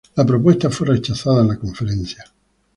La propuesta fue rechazada en la conferencia.